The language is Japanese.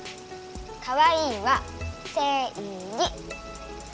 かわいいはせいぎ！